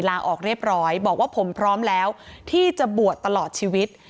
ลาออกเรียบร้อยบอกว่าผมพร้อมแล้วที่จะบวชตลอดชีวิต